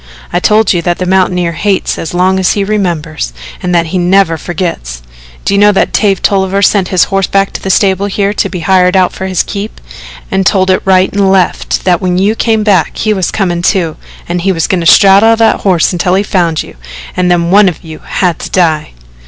I told you that the mountaineer hates as long as he remembers, and that he never forgets. Do you know that Dave sent his horse back to the stable here to be hired out for his keep, and told it right and left that when you came back he was comin', too, and he was goin' to straddle that horse until he found you, and then one of you had to die?